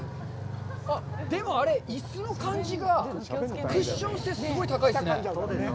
でも、椅子の感じがクッション性、すごい高いですね。